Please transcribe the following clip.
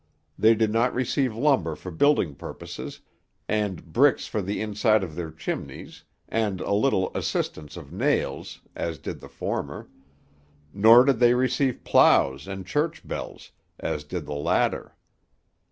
They did not receive lumber for building purposes, and 'bricks for the inside of their chimneys, and a little assistance of nails,' as did the former; nor did they receive ploughs and church bells, as did the latter.